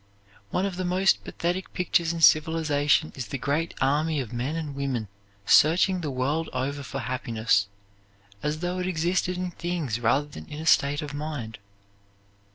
One of the most pathetic pictures in civilization is the great army of men and women searching the world over for happiness, as though it existed in things rather than in a state of mind.